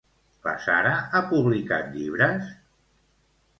La Sara ha publicat llibres?